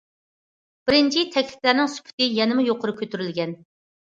بىرىنچى، تەكلىپلەرنىڭ سۈپىتى يەنىمۇ يۇقىرى كۆتۈرۈلگەن.